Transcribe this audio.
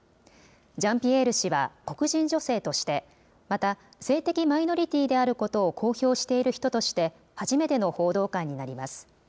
ジャンピエール氏は黒人女性として、また性的マイノリティーであることを公表している人として初めての報道官になります。